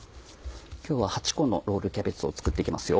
今日は８個のロールキャベツを作って行きますよ。